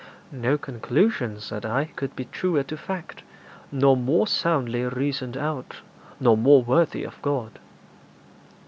'No conclusion,' said I, 'could be truer to fact, nor more soundly reasoned out, nor more worthy of God.'